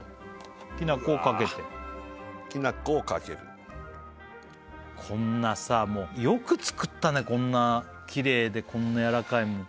きな粉をかけてきな粉をかけるこんなさもうよく作ったねこんなきれいでこんなやらかいもん